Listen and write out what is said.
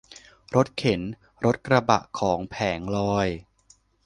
รถเข็น รถกระบะของแผงลอย